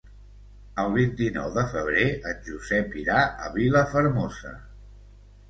El vint-i-nou de febrer en Josep irà a Vilafermosa.